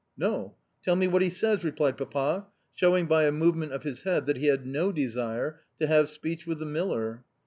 "No. Tell me what he says," replied Papa, showing by a movement of his head that he had no desire to have speech with the miller.